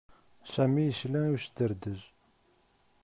Sami yesla i usderdez.